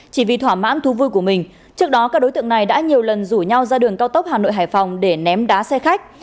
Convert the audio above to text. chỉ vì thỏa mãn thú vui của mình trước đó các đối tượng này đã nhiều lần rủ nhau ra đường cao tốc hà nội hải phòng để ném đá xe khách